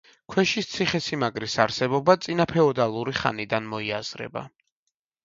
ქვეშის ციხესიმაგრის არსებობა წინაფეოდალური ხანიდან მოიაზრება.